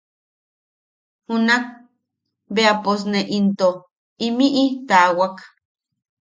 Junak bea pos ne into imiʼi tawak.